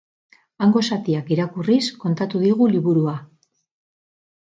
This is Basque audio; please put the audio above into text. Hango zatiak irakurriz kontatu digu liburuaz.